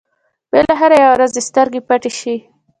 بلاخره يوه ورځ يې سترګې پټې شي.